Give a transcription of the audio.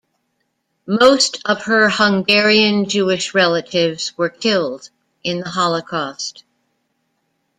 Most of her Hungarian Jewish relatives were killed in the Holocaust.